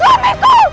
kau akan menang